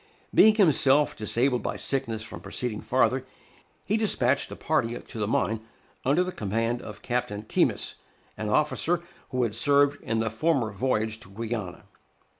Being himself disabled by sickness from proceeding farther, he despatched a party to the mine under the command of Captain Keymis, an officer who had served in the former voyage to Guiana.